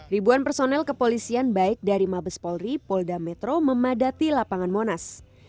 ribuan personel kepolisian baik dari mabes polri polda metro memadati lapangan monas